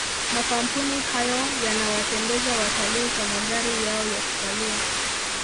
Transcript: makampuni hayo yanawatembeza watalii kwa magari yao ya kitalii